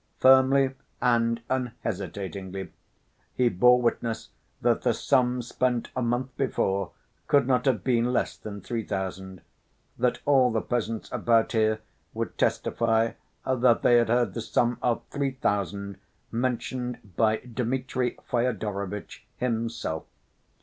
Firmly and unhesitatingly he bore witness that the sum spent a month before could not have been less than three thousand, that all the peasants about here would testify that they had heard the sum of three thousand mentioned by Dmitri Fyodorovitch himself.